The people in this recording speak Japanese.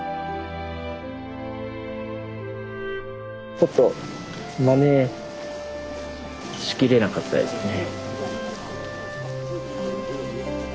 ちょっとマネしきれなかったですね。